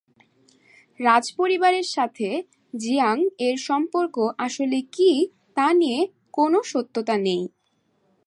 রাজপরিবারের সাথে জিয়াং এর সম্পর্ক আসলে কী তা নিয়ে কোনও সত্যতা নেই।